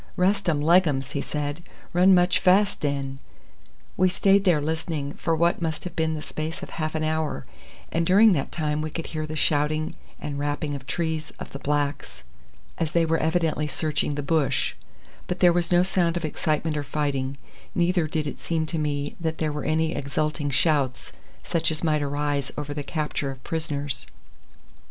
"Rest um leggums," he said. "Run much fas den." We stayed there listening for what must have been the space of half an hour, and during that time we could hear the shouting and rapping of trees of the blacks as they were evidently searching the bush, but there was no sound of excitement or fighting, neither did it seem to me that there were any exulting shouts such as might arise over the capture of prisoners.